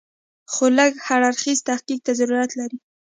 خو لږ هر اړخیز تحقیق ته ضرورت لري.